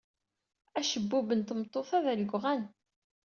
Acebbub n tmeṭṭut-a d aleggɣan.